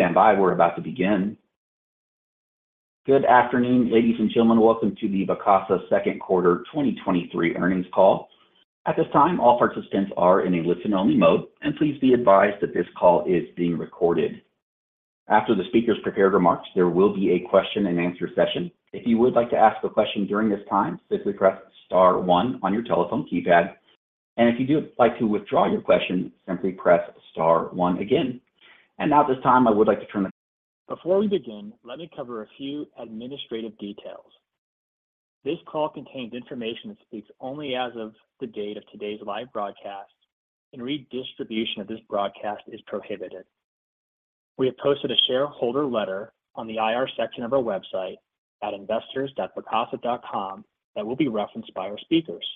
Please stand by. We're about to begin. Good afternoon, ladies and gentlemen. Welcome to the Vacasa Second Quarter 2023 Earnings Call. At this time, all participants are in a listen-only mode, and please be advised that this call is being recorded. After the speaker's prepared remarks, there will be a question-and-answer session. If you would like to ask a question during this time, simply press star one on your telephone keypad, and if you do like to withdraw your question, simply press star one again. Now at this time, I would like to turn. Before we begin, let me cover a few administrative details. This call contains information that speaks only as of the date of today's live broadcast, and redistribution of this broadcast is prohibited. We have posted a shareholder letter on the IR section of our website at investors.vacasa.com that will be referenced by our speakers.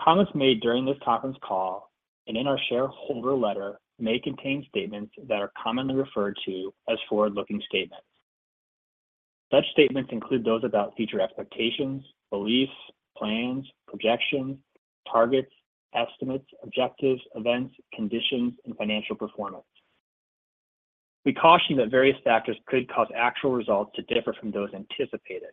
Comments made during this conference call and in our shareholder letter may contain statements that are commonly referred to as forward-looking statements. Such statements include those about future expectations, beliefs, plans, projections, targets, estimates, objectives, events, conditions, and financial performance. We caution you that various factors could cause actual results to differ from those anticipated.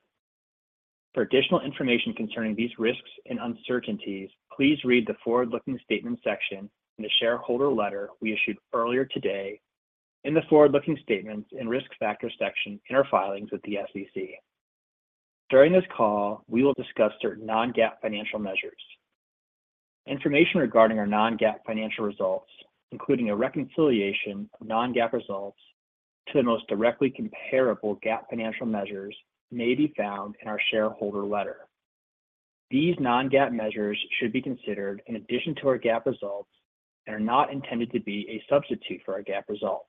For additional information concerning these risks and uncertainties, please read the forward-looking statement section in the shareholder letter we issued earlier today and the forward-looking statements and risk factors section in our filings with the SEC. During this call, we will discuss certain non-GAAP financial measures. Information regarding our non-GAAP financial results, including a reconciliation of non-GAAP results to the most directly comparable GAAP financial measures, may be found in our shareholder letter. These non-GAAP measures should be considered in addition to our GAAP results and are not intended to be a substitute for our GAAP results.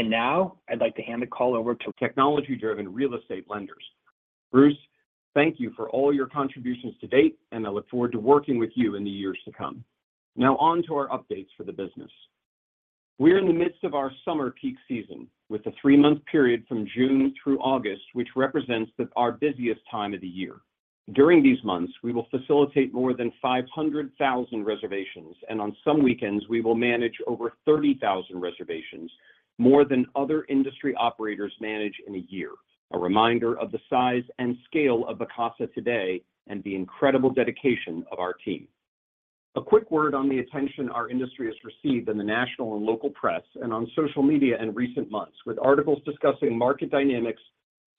Now, I'd like to hand the call over technology driven real estate lenders. Bruce, thank you for all your contributions to date, and I look forward to working with you in the years to come. On to our updates for the business. We're in the midst of our summer peak season, with the three month period from June through August, which represents our busiest time of the year. During these months, we will facilitate more than 500,000 reservations, and on some weekends, we will manage over 30,000 reservations, more than other industry operators manage in a year. A reminder of the size and scale of Vacasa today and the incredible dedication of our team. A quick word on the attention our industry has received in the national and local press and on social media in recent months, with articles discussing market dynamics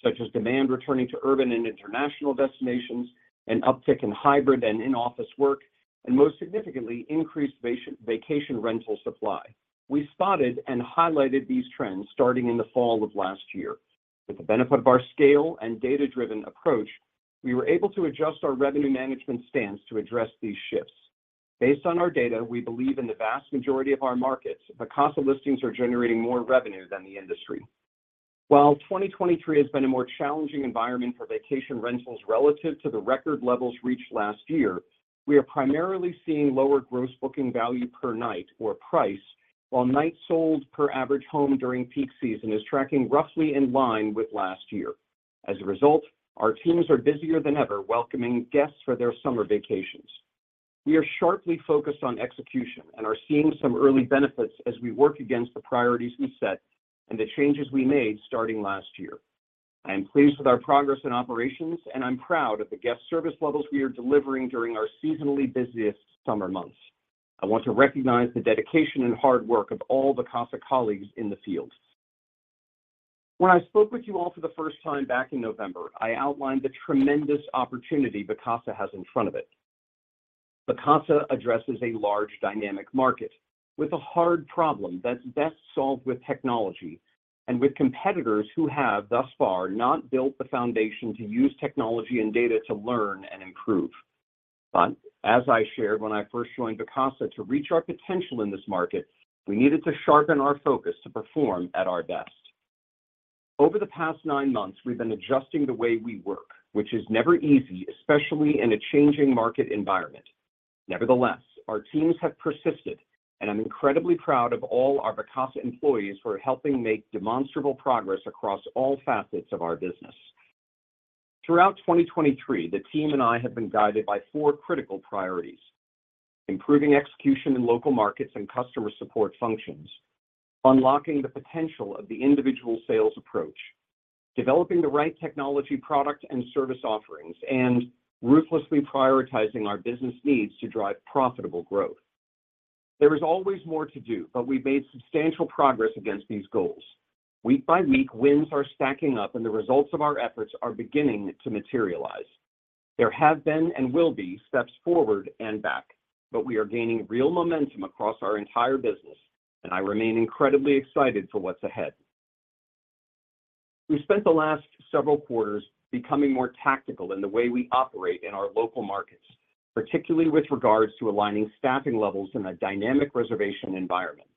such as demand returning to urban and international destinations, an uptick in hybrid and in-office work, and most significantly, increased vacation rental supply. We spotted and highlighted these trends starting in the fall of last year. With the benefit of our scale and data-driven approach, we were able to adjust our revenue management stance to address these shifts. Based on our data, we believe in the vast majority of our markets, Vacasa listings are generating more revenue than the industry. While 2023 has been a more challenging environment for vacation rentals relative to the record levels reached last year, we are primarily seeing lower Gross Booking Value per night or price, while nights sold per average home during peak season is tracking roughly in line with last year. As a result, our teams are busier than ever, welcoming guests for their summer vacations. We are sharply focused on execution and are seeing some early benefits as we work against the priorities we set and the changes we made starting last year. I am pleased with our progress and operations, and I'm proud of the guest service levels we are delivering during our seasonally busiest summer months. I want to recognize the dedication and hard work of all Vacasa colleagues in the field. When I spoke with you all for the first time back in November, I outlined the tremendous opportunity Vacasa has in front of it. Vacasa addresses a large dynamic market with a hard problem that's best solved with technology and with competitors who have thus far not built the foundation to use technology and data to learn and improve. As I shared when I first joined Vacasa, to reach our potential in this market, we needed to sharpen our focus to perform at our best. Over the past nine months, we've been adjusting the way we work, which is never easy, especially in a changing market environment. Nevertheless, our teams have persisted, and I'm incredibly proud of all our Vacasa employees for helping make demonstrable progress across all facets of our business. Throughout 2023, the team and I have been guided by four critical priorities: improving execution in local markets and customer support functions, unlocking the potential of the individual sales approach, developing the right technology, product, and service offerings, and ruthlessly prioritizing our business needs to drive profitable growth. There is always more to do, but we've made substantial progress against these goals. Week by week, wins are stacking up, and the results of our efforts are beginning to materialize. There have been and will be steps forward and back, but we are gaining real momentum across our entire business, and I remain incredibly excited for what's ahead. We spent the last several quarters becoming more tactical in the way we operate in our local markets, particularly with regards to aligning staffing levels in a dynamic reservation environment.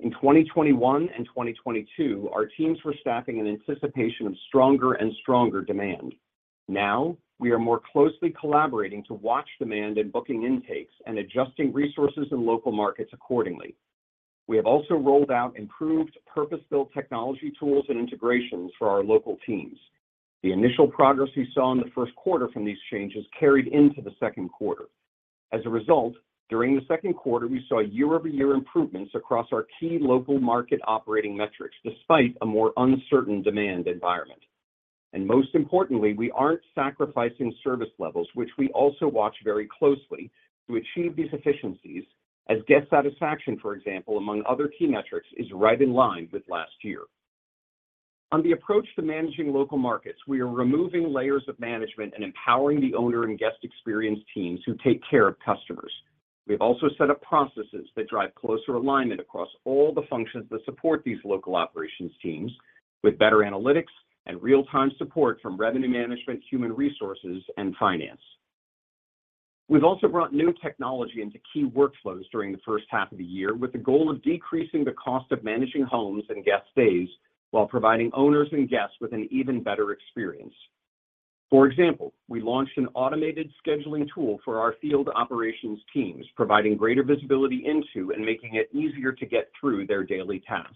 In 2021 and 2022, our teams were staffing in anticipation of stronger and stronger demand. Now, we are more closely collaborating to watch demand and booking intakes and adjusting resources in local markets accordingly. We have also rolled out improved, purpose built technology tools and integrations for our local teams. The initial progress we saw in the first quarter from these changes carried into the second quarter. As a result, during the second quarter, we saw year-over-year improvements across our key local market operating metrics, despite a more uncertain demand environment. Most importantly, we aren't sacrificing service levels, which we also watch very closely to achieve these efficiencies, as guest satisfaction, for example, among other key metrics, is right in line with last year. On the approach to managing local markets, we are removing layers of management and empowering the owner and guest experience teams who take care of customers. We've also set up processes that drive closer alignment across all the functions that support these local operations teams, with better analytics and real time support from revenue management, human resources, and finance. We've also brought new technology into key workflows during the first half of the year, with the goal of decreasing the cost of managing homes and guest stays, while providing owners and guests with an even better experience. For example, we launched an automated scheduling tool for our field operations teams, providing greater visibility into and making it easier to get through their daily tasks.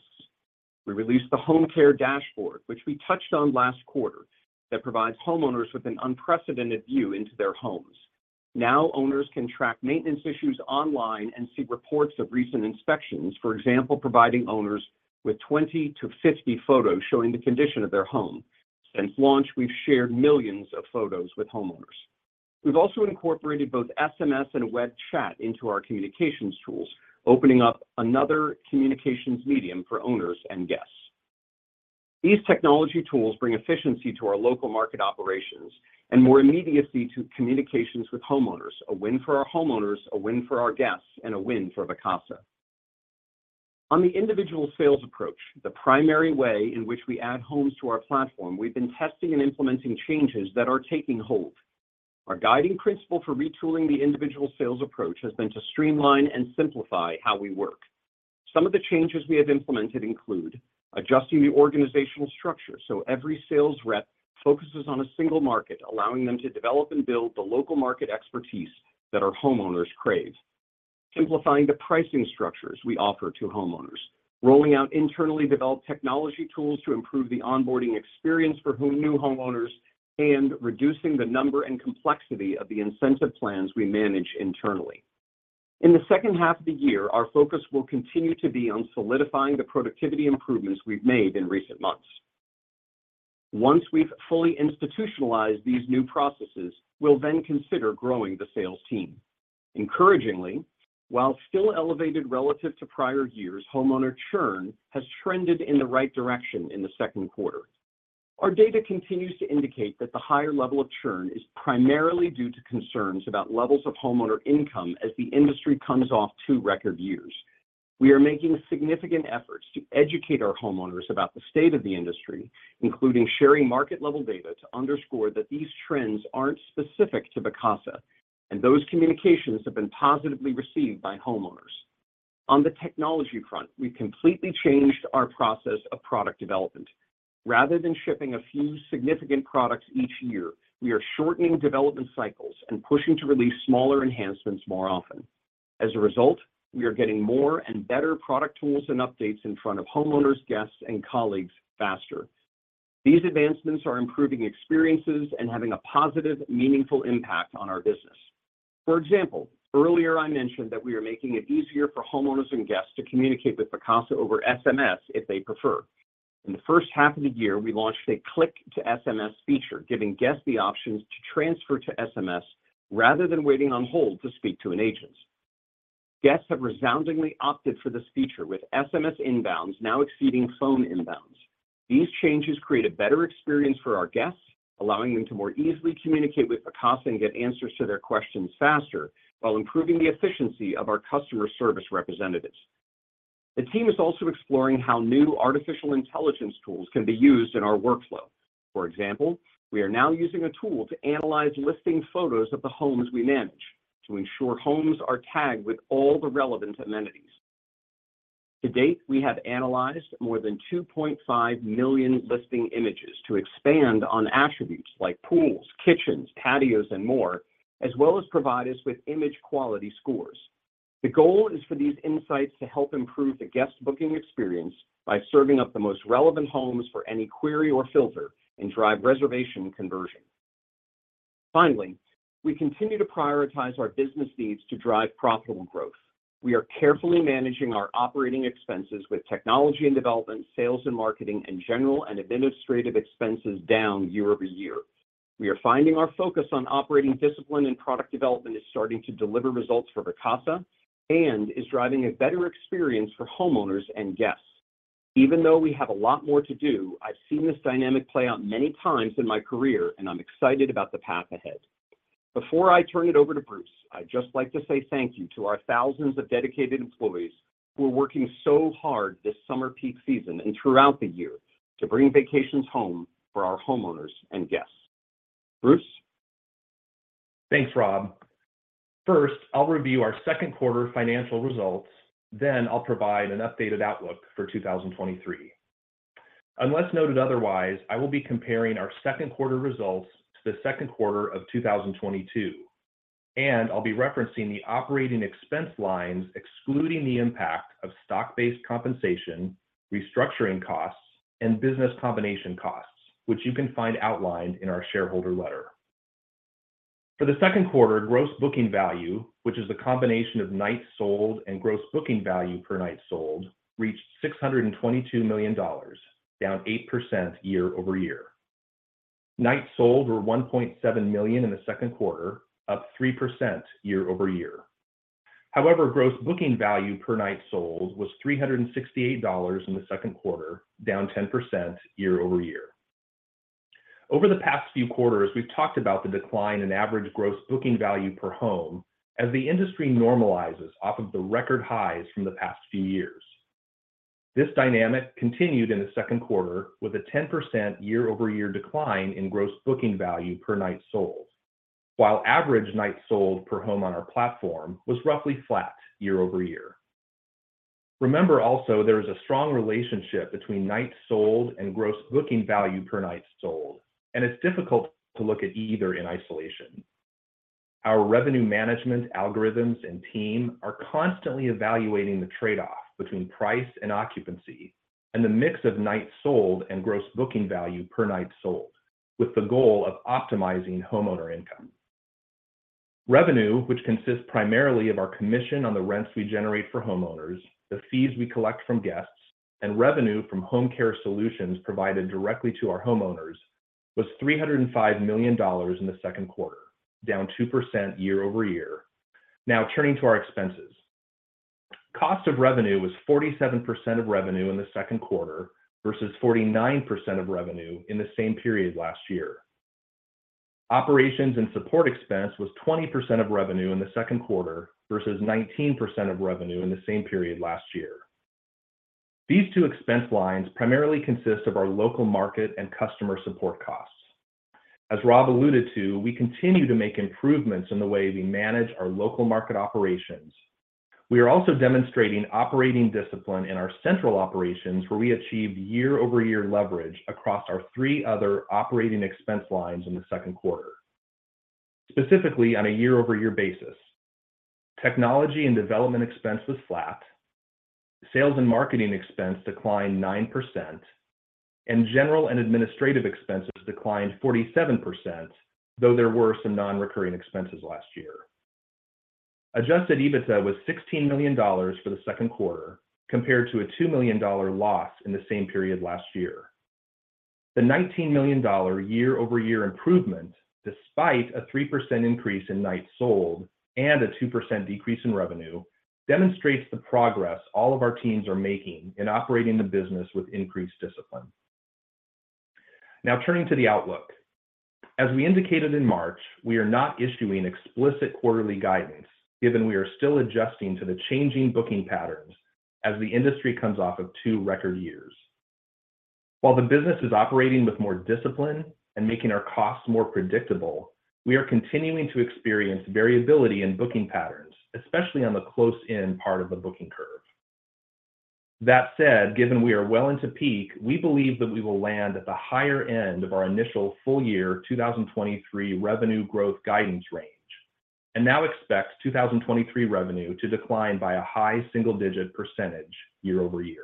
We released the Home Care Dashboard, which we touched on last quarter, that provides homeowners with an unprecedented view into their homes. Now, owners can track maintenance issues online and see reports of recent inspections, for example, providing owners with 20 to 50 photos showing the condition of their home. Since launch, we've shared millions of photos with homeowners. We've also incorporated both SMS and web chat into our communications tools, opening up another communications medium for owners and guests. These technology tools bring efficiency to our local market operations and more immediacy to communications with homeowners, a win for our homeowners, a win for our guests, and a win for Vacasa. On the individual sales approach, the primary way in which we add homes to our platform, we've been testing and implementing changes that are taking hold. Our guiding principle for retooling the individual sales approach has been to streamline and simplify how we work. Some of the changes we have implemented include: adjusting the organizational structure, so every sales rep focuses on a single market, allowing them to develop and build the local market expertise that our homeowners crave, simplifying the pricing structures we offer to homeowners, rolling out internally developed technology tools to improve the onboarding experience for new homeowners, and reducing the number and complexity of the incentive plans we manage internally. In the second half of the year, our focus will continue to be on solidifying the productivity improvements we've made in recent months. Once we've fully institutionalized these new processes, we'll then consider growing the sales team. Encouragingly, while still elevated relative to prior years, homeowner churn has trended in the right direction in the second quarter. Our data continues to indicate that the higher level of churn is primarily due to concerns about levels of homeowner income as the industry comes off 2 record years. We are making significant efforts to educate our homeowners about the state of the industry, including sharing market level data, to underscore that these trends aren't specific to Vacasa, and those communications have been positively received by homeowners. On the technology front, we've completely changed our process of product development. Rather than shipping a few significant products each year, we are shortening development cycles and pushing to release smaller enhancements more often. As a result, we are getting more and better product tools and updates in front of homeowners, guests, and colleagues faster. These advancements are improving experiences and having a positive, meaningful impact on our business. For example, earlier I mentioned that we are making it easier for homeowners and guests to communicate with Vacasa over SMS if they prefer. In the first half of the year, we launched a click to SMS feature, giving guests the option to transfer to SMS rather than waiting on hold to speak to an agent. Guests have resoundingly opted for this feature, with SMS inbounds now exceeding phone inbounds. These changes create a better experience for our guests, allowing them to more easily communicate with Vacasa and get answers to their questions faster, while improving the efficiency of our customer service representatives. The team is also exploring how new artificial intelligence tools can be used in our workflow. For example, we are now using a tool to analyze listing photos of the homes we manage to ensure homes are tagged with all the relevant amenities. To date, we have analyzed more than 2.5 million listing images to expand on attributes like pools, kitchens, patios, and more, as well as provide us with image quality scores. The goal is for these insights to help improve the guest booking experience by serving up the most relevant homes for any query or filter and drive reservation conversion. Finally, we continue to prioritize our business needs to drive profitable growth. We are carefully managing our operating expenses with technology and development, sales and marketing, and general and administrative expenses down year-over-year. We are finding our focus on operating discipline and product development is starting to deliver results for Vacasa and is driving a better experience for homeowners and guests. Even though we have a lot more to do, I've seen this dynamic play out many times in my career, and I'm excited about the path ahead. Before I turn it over to Bruce, I'd just like to say thank you to our thousands of dedicated employees who are working so hard this summer peak season and throughout the year to bring vacations home for our homeowners and guests. Bruce? Thanks, Rob. First, I'll review our second quarter financial results, then I'll provide an updated outlook for 2023. Unless noted otherwise, I will be comparing our second quarter results to the second quarter of 2022, and I'll be referencing the operating expense lines, excluding the impact of stock-based compensation, restructuring costs, and business combination costs, which you can find outlined in our shareholder letter. For the second quarter, Gross Booking Value, which is the combination of nights sold and Gross Booking Value per night sold, reached $622 million, down 8% year-over-year. Nights sold were 1.7 million in the second quarter, up 3% year-over-year. However, Gross Booking Value per night sold was $368 in the second quarter, down 10% year-over-year. Over the past few quarters, we've talked about the decline in average Gross Booking Value per home as the industry normalizes off of the record highs from the past few years. This dynamic continued in the second quarter, with a 10% year-over-year decline in Gross Booking Value per night sold, while average nights sold per home on our platform was roughly flat year-over-year. Remember also, there is a strong relationship between nights sold and Gross Booking Value per night sold, and it's difficult to look at either in isolation. Our revenue management algorithms and team are constantly evaluating the trade-off between price and occupancy, and the mix of nights sold and Gross Booking Value per night sold, with the goal of optimizing homeowner income. Revenue, which consists primarily of our commission on the rents we generate for homeowners, the fees we collect from guests, and revenue from home care solutions provided directly to our homeowners, was $305 million in the second quarter, down 2% year-over-year. Now, turning to our expenses. Cost of revenue was 47% of revenue in the second quarter, versus 49% of revenue in the same period last year. Operations and support expense was 20% of revenue in the second quarter, versus 19% of revenue in the same period last year. These two expense lines primarily consist of our local market and customer support costs. As Rob alluded to, we continue to make improvements in the way we manage our local market operations. We are also demonstrating operating discipline in our central operations, where we achieved year-over-year leverage across our three other operating expense lines in the second quarter. Specifically, on a year-over-year basis, technology and development expense was flat, sales and marketing expense declined 9%, and general and administrative expenses declined 47%, though there were some non-recurring expenses last year. Adjusted EBITDA was $16 million for the second quarter, compared to a $2 million loss in the same period last year. The $19 million year-over-year improvement, despite a 3% increase in nights sold and a 2% decrease in revenue, demonstrates the progress all of our teams are making in operating the business with increased discipline. Now, turning to the outlook. As we indicated in March, we are not issuing explicit quarterly guidance, given we are still adjusting to the changing booking patterns as the industry comes off of 2 record years. While the business is operating with more discipline and making our costs more predictable, we are continuing to experience variability in booking patterns, especially on the close in part of the booking curve. That said, given we are well into peak, we believe that we will land at the higher end of our initial full year 2023 revenue growth guidance range, and now expect 2023 revenue to decline by a high single-digit % year-over-year.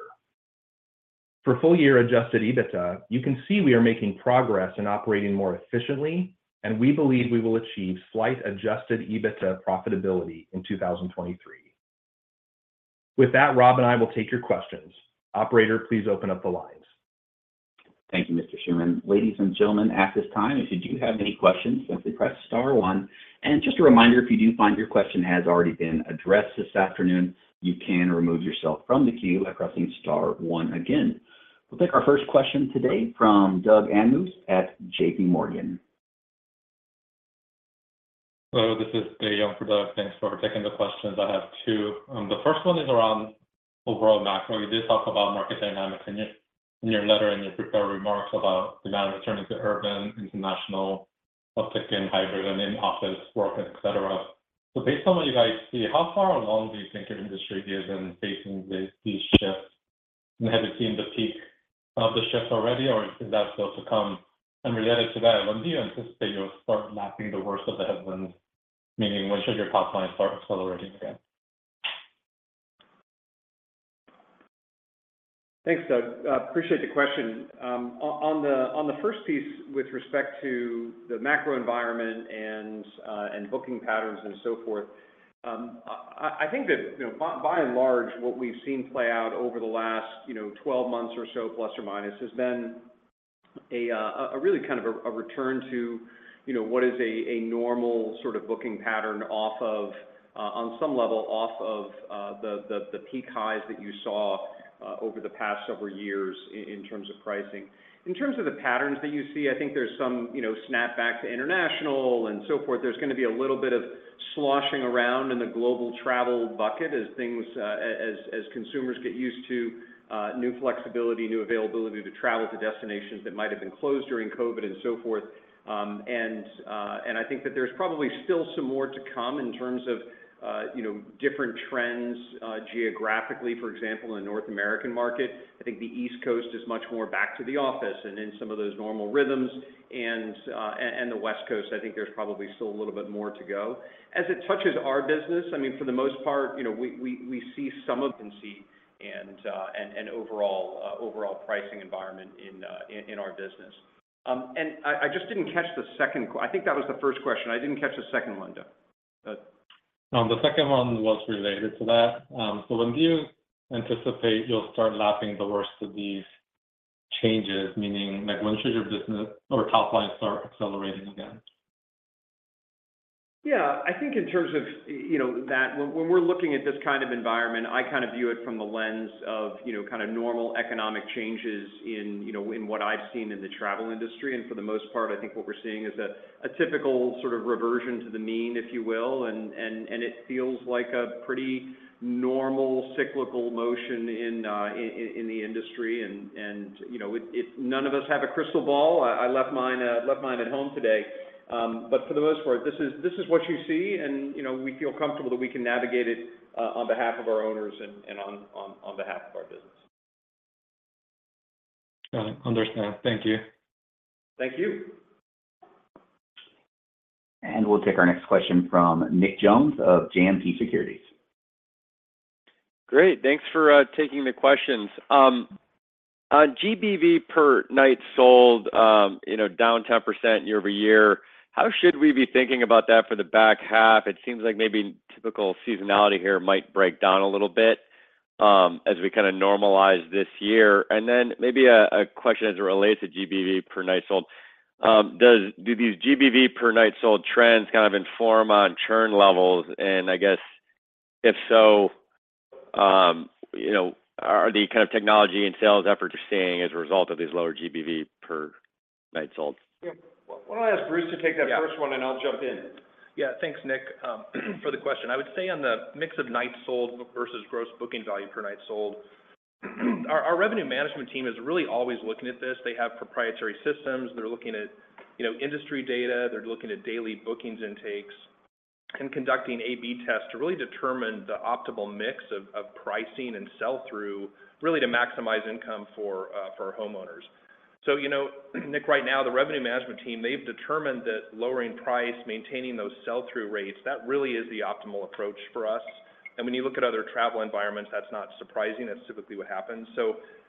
For full year Adjusted EBITDA, you can see we are making progress in operating more efficiently, and we believe we will achieve slight Adjusted EBITDA profitability in 2023. With that, Rob and I will take your questions. Operator, please open up the lines. Thank you, Mr. Schuman. Ladies and gentlemen, at this time, if you do have any questions, simply press star one. Just a reminder, if you do find your question has already been addressed this afternoon, you can remove yourself from the queue by pressing star one again. We'll take our first question today from Doug Anmuth at JP Morgan. Hello, this is Doug Anmuth. Thanks for taking the questions. I have 2. The first one is around overall macro. You did talk about market dynamics in your, in your letter, in your prepared remarks about demand returning to urban, international, flexible and hybrid and in-office work, etc. Based on what you guys see, how far along do you think your industry is in facing these shifts? Have you seen the peak of the shifts already, or is that still to come? Related to that, when do you anticipate you'll start mapping the worst of the headwinds, meaning when should your top line start accelerating again? Thanks, Doug. I appreciate the question. On the first piece, with respect to the macro environment and booking patterns and so forth, I think that, you know, by and large, what we've seen play out over the last, you know, 12 months or so, plus or minus, has been a really kind of a return to, you know, what is a normal sort of booking pattern off of, on some level, off of the peak highs that you saw over the past several years in terms of pricing. In terms of the patterns that you see, I think there's some, you know, snapback to international and so forth. There's going to be a little bit of sloshing around in the global travel bucket as things... as, as consumers get used to new flexibility, new availability to travel to destinations that might have been closed during COVID and so forth. I think that there's probably still some more to come in terms of, you know, different trends geographically. For example, in the North American market, I think the East Coast is much more back to the office and in some of those normal rhythms. The West Coast, I think there's probably still a little bit more to go. As it touches our business, I mean, for the most part, you know, we, we, we see some of them see and, and overall, overall pricing environment in, in our business. I, I just didn't catch the second. I think that was the first question. I didn't catch the second one, Doug? The second one was related to that. When do you anticipate you'll start lapping the worst of these changes? Meaning, like, when should your business or top line start accelerating again? Yeah, I think in terms of, you know, that, when, when we're looking at this kind of environment, I kind of view it from the lens of, you know, kind of normal economic changes in, you know, in what I've seen in the travel industry. For the most part, I think what we're seeing is a, a typical sort of reversion to the mean, if you will, and, and, and it feels like a pretty normal cyclical motion in, in, in the industry. You know, none of us have a crystal ball. I, I left mine, left mine at home today. For the most part, this is, this is what you see, and, you know, we feel comfortable that we can navigate it, on behalf of our owners and, and on, on, on behalf of our business. Got it. Understand. Thank you. Thank you. We'll take our next question from Nick Jones of JMP Securities. Great. Thanks for taking the questions. On GBV per night sold, you know, down 10% year-over-year, how should we be thinking about that for the back half? It seems like maybe typical seasonality here might break down a little bit as we kind of normalize this year. Maybe a question as it relates to GBV per night sold. Do these GBV per night sold trends kind of inform on churn levels? I guess, if so, you know, are the kind of technology and sales efforts you're seeing as a result of these lower GBV per night sold? Yeah. Why don't I ask Bruce to take that first one. Yeah. I'll jump in. Yeah. Thanks, Nick, for the question. I would say on the mix of nights sold versus gross booking value per night sold, our, our revenue management team is really always looking at this. They have proprietary systems. They're looking at, you know, industry data. They're looking at daily bookings intakes, and conducting A/B tests to really determine the optimal mix of, of pricing and sell-through, really to maximize income for, for homeowners. You know, Nick, right now, the revenue management team, they've determined that lowering price, maintaining those sell-through rates, that really is the optimal approach for us. When you look at other travel environments, that's not surprising. That's typically what happens.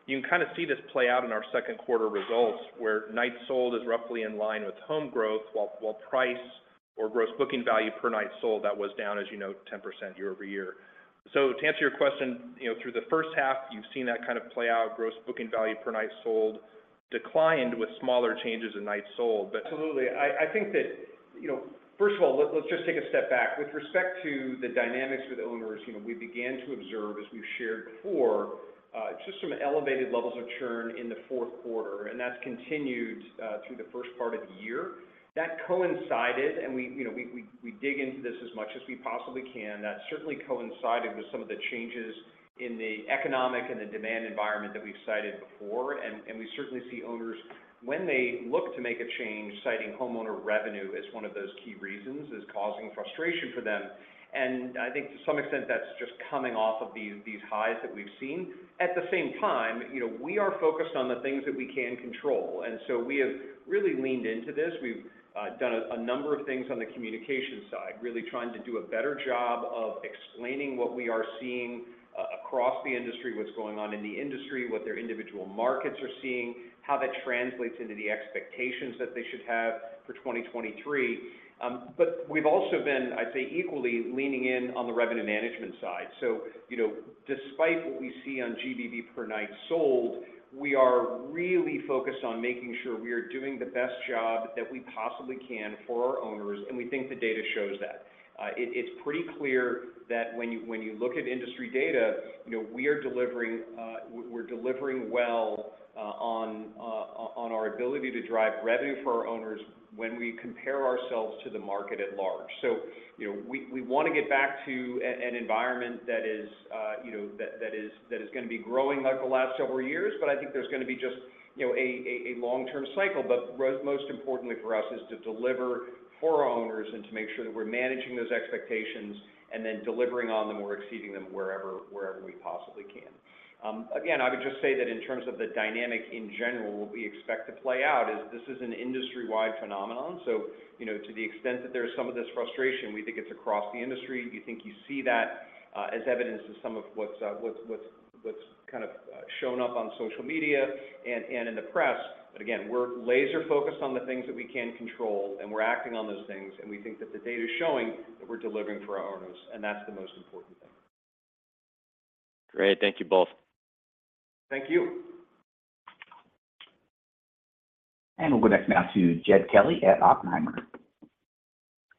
You can kind of see this play out in our second quarter results, where nights sold is roughly in line with home growth, while price or gross booking value per night sold, that was down, as you know, 10% year-over-year. To answer your question, you know, through the first half, you've seen that kind of play out. Gross booking value per night sold declined with smaller changes in nights sold. Absolutely. I, I think that, you know, first of all, let's, let's just take a step back. With respect to the dynamics with owners, you know, we began to observe, as we've shared before, just some elevated levels of churn in the fourth quarter, and that's continued through the first part of the year. That coincided, and we, you know, we, we, we dig into this as much as we possibly can. That certainly coincided with some of the changes in the economic and the demand environment that we've cited before. We certainly see owners when they look to make a change, citing homeowner revenue as one of those key reasons, is causing frustration for them. I think to some extent, that's just coming off of these, these highs that we've seen. At the same time, you know, we are focused on the things that we can control, and so we have really leaned into this. We've done a number of things on the communication side, really trying to do a better job of explaining what we are seeing across the industry, what's going on in the industry, what their individual markets are seeing, how that translates into the expectations that they should have for 2023. We've also been, I'd say, equally leaning in on the revenue management side. You know, despite what we see on GBV per night sold, we are really focused on making sure we are doing the best job that we possibly can for our owners, and we think the data shows that. It, it's pretty clear that when you, when you look at industry data, you know, we are delivering, we're delivering well, on, on our ability to drive revenue for our owners when we compare ourselves to the market at large. You know, we, we want to get back to an, an environment that is, you know, that, that is, that is gonna be growing like the last several years, but I think there's gonna be just, you know, a, a, a long-term cycle. Most importantly for us, is to deliver for our owners and to make sure that we're managing those expectations, and then delivering on them or exceeding them wherever, wherever we possibly can. Again, I would just say that in terms of the dynamic in general, what we expect to play out is this is an industry-wide phenomenon. you know, to the extent that there is some of this frustration, we think it's across the industry. We think you see that, as evidenced in some of what's, what's, what's, what's kind of, shown up on social media and, and in the press. But again, we're laser focused on the things that we can control, and we're acting on those things, and we think that the data is showing that we're delivering for our owners, and that's the most important thing. Great. Thank you both. Thank you. We'll go next now to Jed Kelly at Oppenheimer.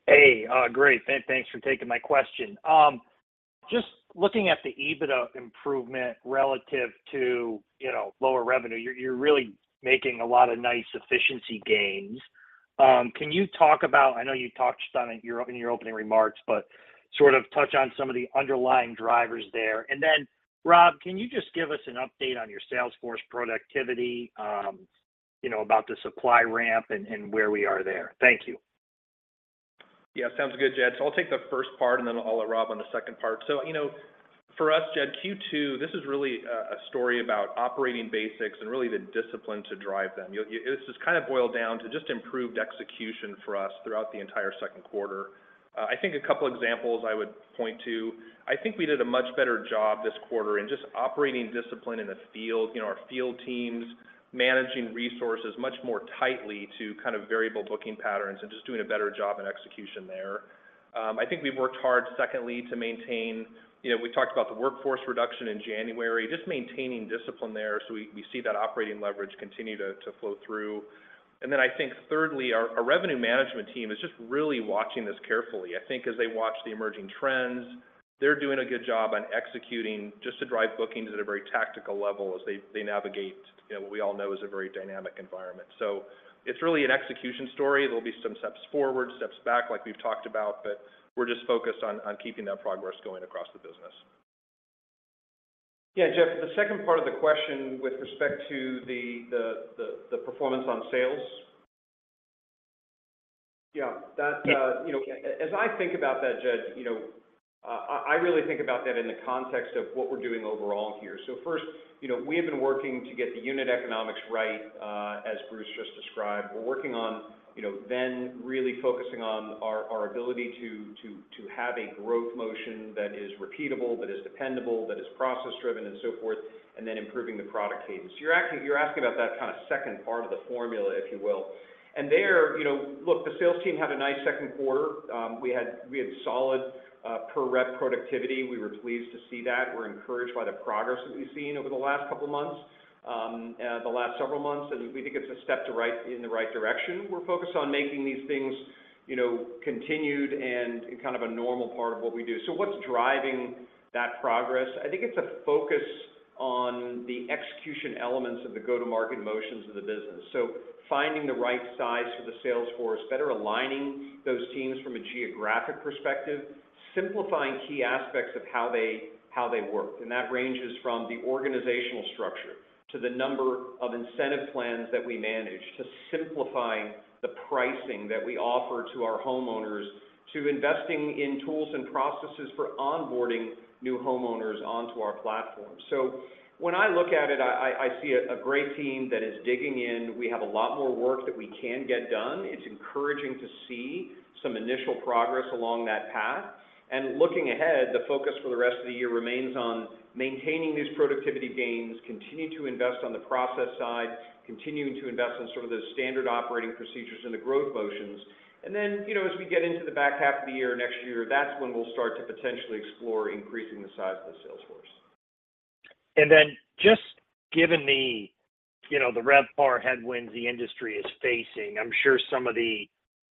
Hey, great. Than thanks for taking my question. Just looking at the EBITDA improvement relative to, you know, lower revenue, you're, you're really making a lot of nice efficiency gains. Can you talk about... I know you touched on it in your, in your opening remarks, but sort of touch on some of the underlying drivers there. Then, Rob, can you just give us an update on your sales force productivity, you know, about the supply ramp and, and where we are there? Thank you. Yeah, sounds good, Jed. I'll take the first part, and then I'll let Rob on the second part. You know, for us, Jed, Q2, this is really a, a story about operating basics and really the discipline to drive them. This just kind of boiled down to just improved execution for us throughout the entire second quarter. I think a couple of examples I would point to, I think we did a much better job this quarter in just operating discipline in the field. You know, our field teams managing resources much more tightly to kind of variable booking patterns and just doing a better job in execution there. I think we've worked hard, secondly, to maintain, You know, we talked about the workforce reduction in January, just maintaining discipline there, so we, we see that operating leverage continue to, to flow through. I think thirdly, our, our revenue management team is just really watching this carefully. I think as they watch the emerging trends, they're doing a good job on executing just to drive bookings at a very tactical level as they, they navigate, you know, what we all know is a very dynamic environment. It's really an execution story. There'll be some steps forward, steps back, like we've talked about, but we're just focused on, on keeping that progress going across the business. Yeah, Jeff, the second part of the question with respect to the, the, the, the performance on sales. Yeah. That, you know, as I think about that, Jed, you know, I, I really think about that in the context of what we're doing overall here. First, you know, we have been working to get the unit economics right, as Bruce just described. We're working on, you know, then really focusing on our, our ability to, to, to have a growth motion that is repeatable, that is dependable, that is process-driven, and so forth, and then improving the product cadence. You're asking, you're asking about that kind of second part of the formula, if you will. There, you know, look, the sales team had a nice second quarter. We had, we had solid, per-rep productivity. We were pleased to see that. We're encouraged by the progress that we've seen over the last couple of months, the last several months, and we think it's a step in the right direction. We're focused on making these things, you know, continued and in kind of a normal part of what we do. What's driving that progress? I think it's a focus on the execution elements of the go-to-market motions of the business. Finding the right size for the sales force, better aligning those teams from a geographic perspective, simplifying key aspects of how they, how they work. That ranges from the organizational structure to the number of incentive plans that we manage, to simplifying the pricing that we offer to our homeowners, to investing in tools and processes for onboarding new homeowners onto our platform. When I look at it, I, I, I see a, a great team that is digging in. We have a lot more work that we can get done. It's encouraging to see some initial progress along that path. Looking ahead, the focus for the rest of the year remains on maintaining these productivity gains, continuing to invest on the process side, continuing to invest in sort of the standard operating procedures and the growth motions. Then, you know, as we get into the back half of the year, next year, that's when we'll start to potentially explore increasing the size of the sales force. Then just given the, you know, the RevPAR headwinds the industry is facing, I'm sure some of the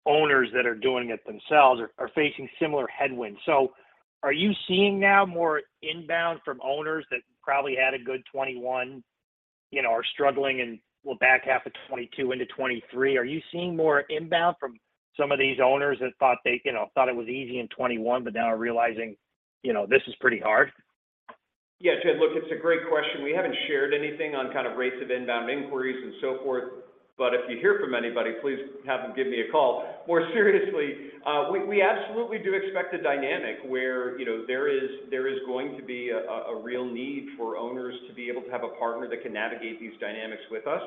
owners that are doing it themselves are, are facing similar headwinds. Are you seeing now more inbound from owners that probably had a good 2021, you know, are struggling in, well, back half of 2022 into 2023? Are you seeing more inbound from some of these owners that thought they, you know, thought it was easy in 2021, but now are realizing, you know, this is pretty hard? Yeah, Jed, look, it's a great question. We haven't shared anything on kind of rates of inbound inquiries and so forth, but if you hear from anybody, please have them give me a call. More seriously, we, we absolutely do expect a dynamic where, you know, there is going to be a real need for owners to be able to have a partner that can navigate these dynamics with us.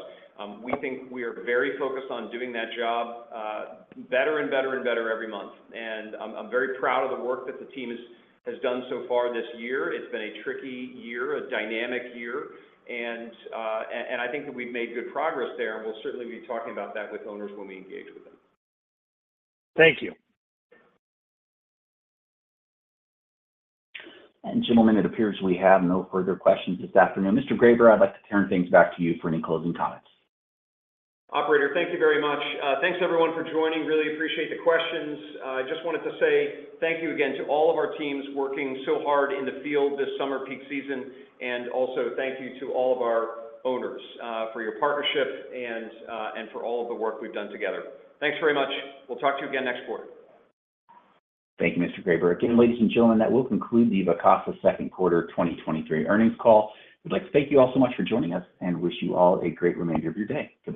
We think we are very focused on doing that job, better and better and better every month. I'm, I'm very proud of the work that the team has, has done so far this year. It's been a tricky year, a dynamic year, and I think that we've made good progress there, and we'll certainly be talking about that with owners when we engage with them. Thank you. Gentlemen, it appears we have no further questions this afternoon. Mr. Greyber, I'd like to turn things back to you for any closing comments. Operator, thank you very much. Thanks everyone for joining. Really appreciate the questions. I just wanted to say thank you again to all of our teams working so hard in the field this summer peak season, also thank you to all of our owners, for your partnership and for all of the work we've done together. Thanks very much. We'll talk to you again next quarter. Thank you, Mr. Greyber. Again, ladies and gentlemen, that will conclude the Vacasa second quarter 2023 earnings call. We'd like to thank you all so much for joining us and wish you all a great remainder of your day. Goodbye.